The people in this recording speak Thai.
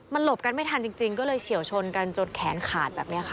มันหลบกันไม่ทันจริงก็เลยเฉียวชนกันจนแขนขาดแบบนี้ค่ะ